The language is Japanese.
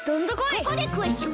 ここでクエスチョン。